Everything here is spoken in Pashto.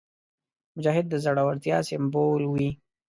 مجاهد د زړورتیا سمبول وي.